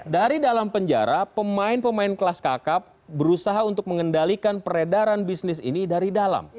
dari dalam penjara pemain pemain kelas kakap berusaha untuk mengendalikan peredaran bisnis ini dari dalam